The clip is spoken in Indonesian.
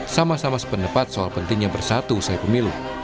sama sama sependapat soal pentingnya bersatu usai pemilu